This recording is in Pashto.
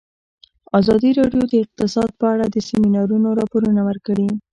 ازادي راډیو د اقتصاد په اړه د سیمینارونو راپورونه ورکړي.